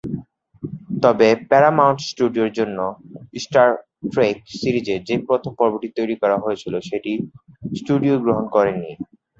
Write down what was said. তবে প্যারামাউন্ট স্টুডিওর জন্য স্টার ট্রেক সিরিজের যে প্রথম পর্বটি তৈরি করা হয়েছিল সেটি স্টুডিও গ্রহণ করেনি।